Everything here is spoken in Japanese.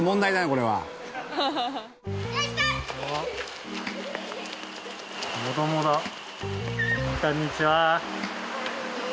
こんにちは。